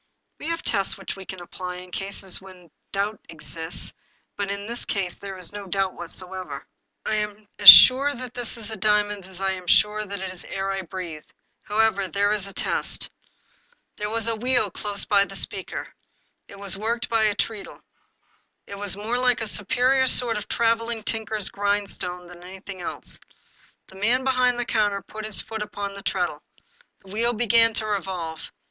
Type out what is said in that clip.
" We have tests which we apply in cases in which doubt exists, but in this case there is no doubt whatever. I am 263 English Mystery Stories as sure that this is a diamond as I am sure that it is air I breathe. However, here is a test." There was a wheel close by the speaker. It was worked by a treadle. It was more like a superior sort of traveling tinker's grindstone than anything else. The man behind the counter put his foot upon the treadle. The wheel be gan to revolve.